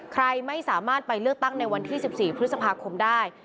ใครไม่สามารถไปเลือกตั้งในวันที่๑๔พฤษภาคมได้